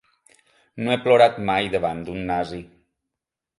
'No he plorat mai davant d’un nazi'